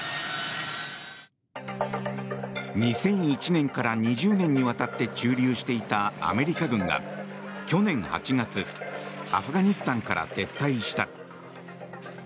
２００１年から２０年にわたって駐留していたアメリカ軍が去年８月アフガニスタンから撤退した。